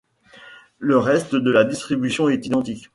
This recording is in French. Le reste de la distribution est identique.